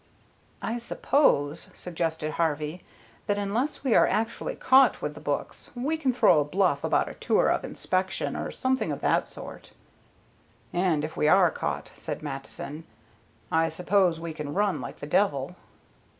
"I suppose," suggested Harvey, "that unless we are actually caught with the books, we can throw a bluff about a tour of inspection or something of that sort." "And if we are caught," said Mattison, "I suppose we can run like the devil."